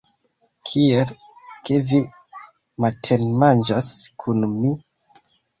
Kiel, ke vi matenmanĝas kun mi?